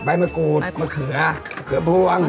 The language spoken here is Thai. ไบมะกรูดมะเขือเผือบ้วง